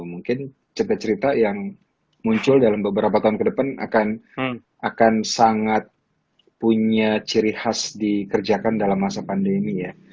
mungkin cerita cerita yang muncul dalam beberapa tahun ke depan akan sangat punya ciri khas dikerjakan dalam masa pandemi ya